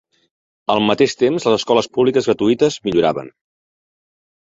Al mateix temps, les escoles públiques gratuïtes milloraven.